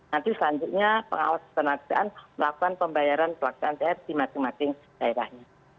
nanti selanjutnya pengawas penataan melakukan pembayaran pelaksanaan thr di masing masing daerahnya